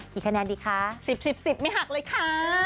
กี่คะแนนดีคะสิบสิบสิบไม่หักเลยค่ะ